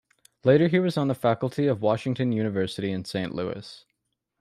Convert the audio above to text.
Later he was on the faculty of Washington University in Saint Louis.